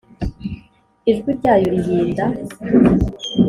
Ijwi Ryayo Rihinda